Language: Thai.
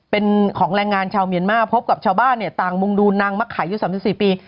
เป็นของแรงงานชาวเมียนมาพบกับชาวบ้านเนี้ยต่างมุงดูนนางมะไขอยู่สามสิบสี่ปี